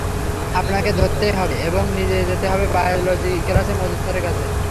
আপনাকে ধরতেই হবে এবং নিয়ে যেতে হবে বায়োলজি ক্লাসে মজিদ স্যারের কাছে।